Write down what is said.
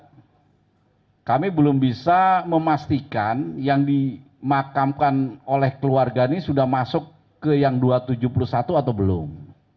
nah kami belum bisa memastikan yang dimakamkan oleh keluarga ini sudah masuk ke yang dua ratus tujuh puluh satu atau belum